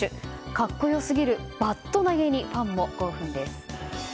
格好良すぎるバット投げにファンも興奮です。